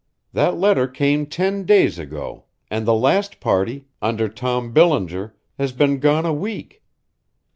That letter came ten days ago, and the last party, under Tom Billinger, has been gone a week.